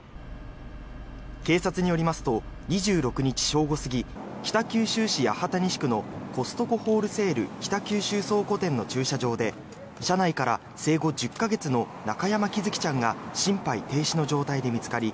警察によりますと２６日正午過ぎ北九州市八幡西区のコストコホールセール北九州倉庫店の駐車場で車内から生後１０か月の中山喜寿生ちゃんが心肺停止の状態で見つかり